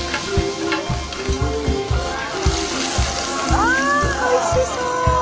あおいしそう！